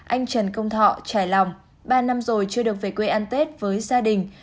anh trần công thọ trải lòng ba năm rồi chưa được về quê ăn tết với gia đình